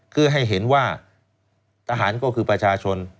คือให้เห็นว่าทหารก็คือประชาชน